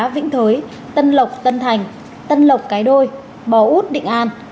vĩnh thới tân lộc tân thành tân lộc cái đôi bò út định an